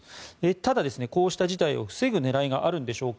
ただ、こうした事態を防ぐ狙いがあるんでしょうか。